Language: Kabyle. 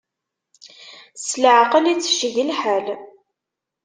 S leɛqel, ittecceg lḥal!